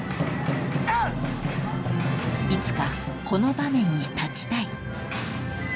［いつかこの場面に立ちたい］